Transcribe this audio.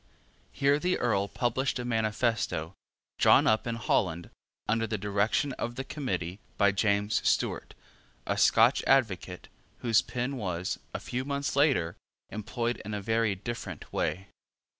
Here the Earl published a manifesto, drawn up in Holland, under the direction of the Committee, by James Stewart, a Scotch advocate, whose pen was, a few months later, employed in a very different way.